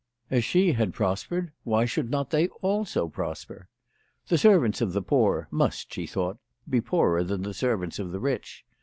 As she had prospered, why should not they also prosper ? The servants of the poor must, she thought, be poorer than the servants of the rich.